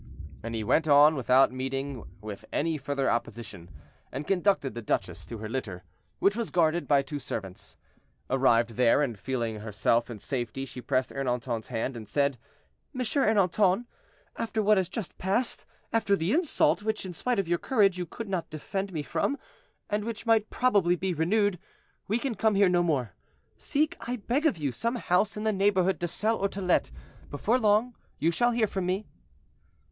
And he went on without meeting with any further opposition, and conducted the duchess to her litter, which was guarded by two servants. Arrived there and feeling herself in safety, she pressed Ernanton's hand, and said, "M. Ernanton, after what has just passed, after the insult which, in spite of your courage, you could not defend me from, and which might probably be renewed, we can come here no more; seek, I beg of you, some house in the neighborhood to sell or to let; before long you shall hear from me."